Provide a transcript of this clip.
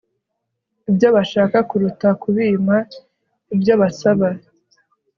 ibyo bashaka kuruta kubima ibyo basaba